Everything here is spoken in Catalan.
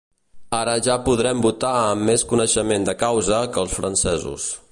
Ara ja podrem votar amb més coneixement de causa que els francesos.